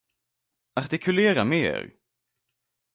Artikulera mera!